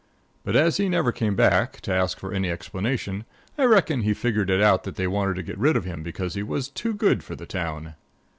But as he never came back, to ask for any explanation, I reckon he figured it out that they wanted to get rid of him because he was too good for the town.